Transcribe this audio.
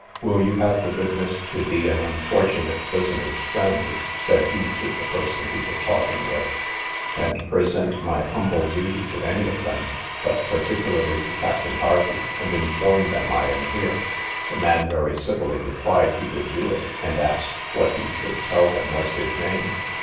Will you have the goodness to be an unfortunate prisoner's friend, said he to the person he was talking with, and present my humble duty to any of them, but particularly to Captain Hervey, and inform them I am here. The man very civilly replied he would do it; and asked what he should tell them was his name?